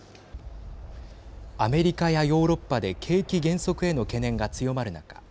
アメリカやヨーロッパで景気減速への懸念が強まる中